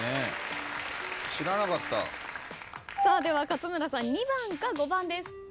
では勝村さん２番か５番です。